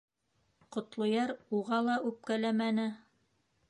Ҡотлояр уға ла үпкәләмәне.